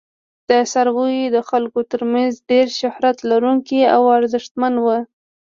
دا څاروي د خلکو تر منځ ډیر شهرت لرونکي او ارزښتمن وو.